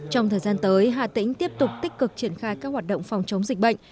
trong thời gian tới hà tĩnh tiếp tục tích cực triển khai các hoạt động phòng chống dịch bệnh